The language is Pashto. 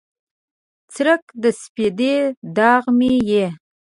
څرک د سپیده داغ مې یې